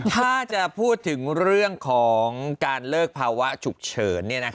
ถ้าจะพูดถึงเรื่องของการเลิกภาวะฉุกเฉิน